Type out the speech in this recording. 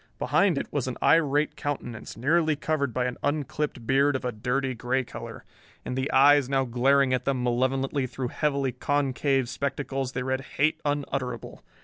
Behind it was an irate countenance, nearly covered by an unclipped beard of a dirty gray color. In the eyes now glaring at them malevolently through heavily concaved spectacles they read hate unutterable.